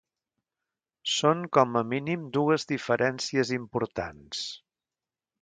Són com a mínim dues diferències importants.